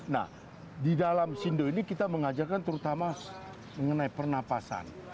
nah di dalam sindo ini kita mengajarkan terutama mengenai pernapasan